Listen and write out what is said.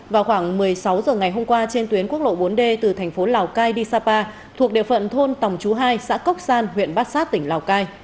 vào khoảng một mươi sáu h ngày hôm qua trên tuyến quốc lộ bốn d từ thành phố lào cai đi sapa thuộc địa phận thôn tòng chú hai xã cốc san huyện bát sát tỉnh lào cai